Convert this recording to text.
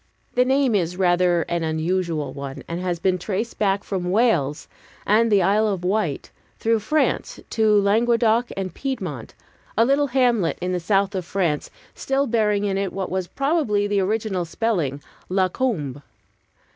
The name is rather an unusual one, and has been traced back from Wales and the Isle of Wight through France to Languedoc and Piedmont; a little hamlet in the south of France still bearing it in what was probably the original spelling La Combe.